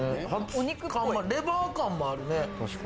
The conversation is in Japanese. レバー感もあるね。